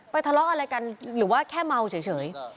ทะเลาะอะไรกันหรือว่าแค่เมาเฉย